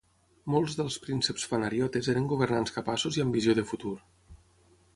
Molts dels prínceps fanariotes eren governants capaços i amb visió de futur.